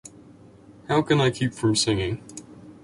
How Can I Keep from Singing?